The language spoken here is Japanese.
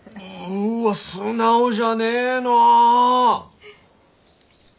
うわ素直じゃねぇの。